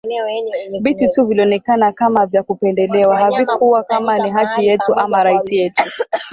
vitu tu vilionekana kama vya kupendelewa havikuwa kama ni haki yetu ama right yetu